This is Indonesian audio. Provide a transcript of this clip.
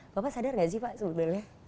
bapak sadar nggak sih pak sebetulnya